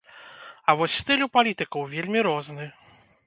А вось стыль у палітыкаў вельмі розны.